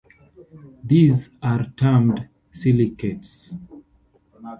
These are termed silicates.